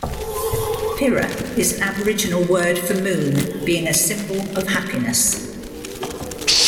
'Pirra' is an aboriginal word for moon, being a symbol of happiness.